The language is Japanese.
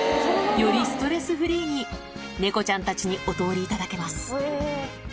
よりストレスフリーに猫ちゃんたちにお通りいただけます